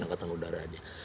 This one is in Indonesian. angkatan udara aja